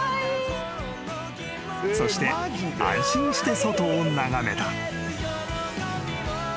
［そして安心して外を眺めた］